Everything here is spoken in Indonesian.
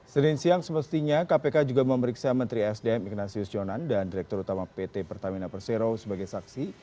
senin siang semestinya kpk juga memeriksa menteri sdm ignatius jonan dan direktur utama pt pertamina persero sebagai saksi